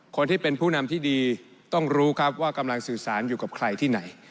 คนที่เป็นผู้นำที่ดีต้องรู้ครับว่ากำลังสื่อสารอยู่กับใครที่ไหน